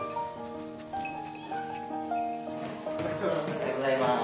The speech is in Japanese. おはようございます。